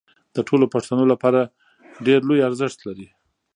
د ټولو پښتنو لپاره ډېر لوی ارزښت لري